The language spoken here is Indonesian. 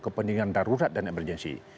kepentingan darurat dan emergensi